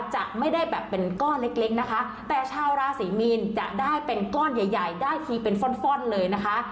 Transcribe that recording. จะไม่ได้แบบเป็นก้อนเล็กเล็กนะคะแต่ชาวราศรีมีนจะได้เป็นก้อนใหญ่ใหญ่ได้ทีเป็นฟ่อนฟ่อนเลยนะคะ